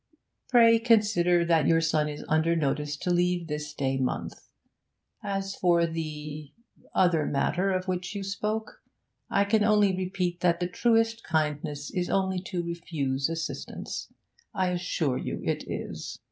Pray consider that your son is under notice to leave this day month. As for the other matter of which you spoke, I can only repeat that the truest kindness is only to refuse assistance. I assure you it is.